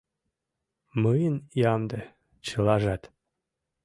Мыйын ямде — чылажат.